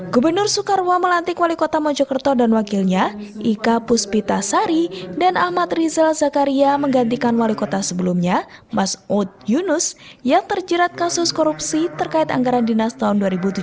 gubernur soekarwo melantik wali kota mojokerto dan wakilnya ika puspita sari dan ahmad rizal zakaria menggantikan wali kota sebelumnya mas od yunus yang terjerat kasus korupsi terkait anggaran dinas tahun dua ribu tujuh belas